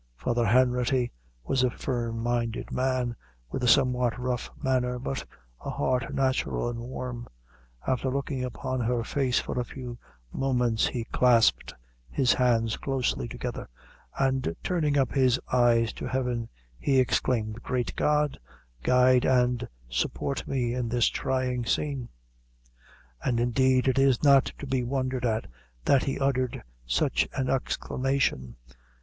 Father Hanratty was a firm minded man, with a somewhat rough manner, but a heart natural and warm. After looking upon her face for a few moments, he clasped, his hands closely together, and turning up his eyes to Heaven, he exclaimed: "Great God, guide and support me in this trying scene!" And, indeed, it is not to be wondered at that he uttered such an exclamation.